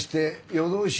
夜通し？